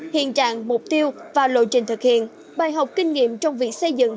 hiện trạng mục tiêu và lộ trình thực hiện bài học kinh nghiệm trong việc xây dựng